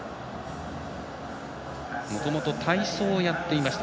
もともと体操をやっていました。